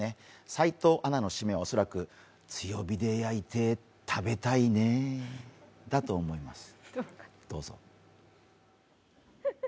斎藤アナの締めは、恐らく強火で焼いて食べたいねだと思います。